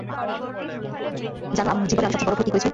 জানো, জীবনে আমি সবচেয়ে বড় ভুল কী করেছি?